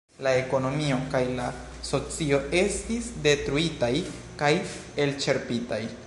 La ekonomio kaj la socio estis detruitaj kaj elĉerpitaj.